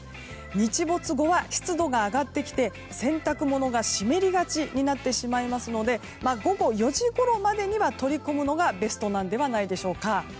日没後は、湿度が上がってきて洗濯物が湿りがちになってしまいますので午後４時ごろまでには取り込むのがベストなのではないでしょうか。